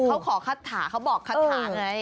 เขาขอคาถาเขาบอกคาถาไง